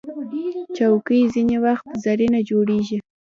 چوکۍ ځینې وخت زرینه جوړیږي.